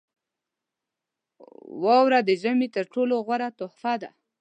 • واوره د ژمي تر ټولو غوره تحفه ده.